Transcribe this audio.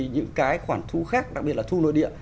những cái khoản thu khác đặc biệt là thu nội địa